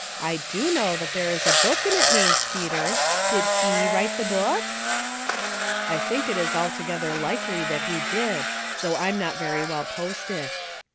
I do know that there is a book in it named Peter; did he write the book ?"'* I think it is altogether likely that he did, though I'm not very well posted."